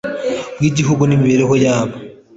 bw igihugu n imibereho yabo